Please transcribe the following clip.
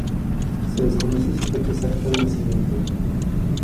Se desconoce su fecha exacta de nacimiento.